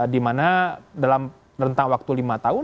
dimana dalam rentang waktu lima tahun